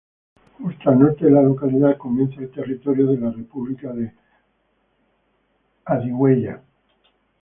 Justo al norte de la localidad comienza el territorio de la República de Adiguesia.